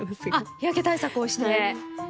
日焼け対策をして。